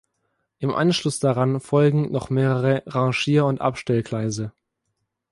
Im Anschluss daran folgen noch mehrere Rangier- und Abstellgleise.